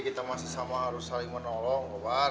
kita masih sama harus saling menolong